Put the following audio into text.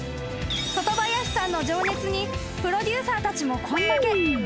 ［外林さんの情熱にプロデューサーたちも根負け］